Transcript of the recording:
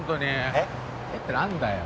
「えッ」って何だよ？